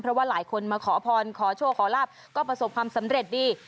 เพราะว่าหลายคนมาขอพรขอโชคขอลาบก็ประสบความสำเร็จดี